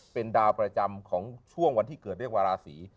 เป็นดาวประจำของช่วงวันที่เกิดเรียกว่าราศี